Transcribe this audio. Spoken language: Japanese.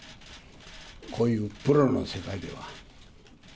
こういうプロの世界では。